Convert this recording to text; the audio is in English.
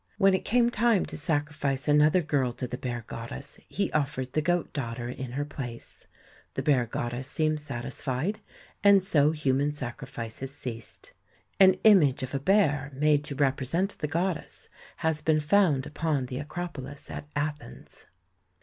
When it came time to sacrifice another girl to the bear goddess, he offered the goat daughter in her place. The bear goddess seemed satisfied, and so human sacrifices ceased. An image of a bear made to represent the goddess has been found upon the Acropolis at Athens.